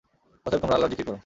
অতএব, তোমরা আল্লাহর যিকির কর।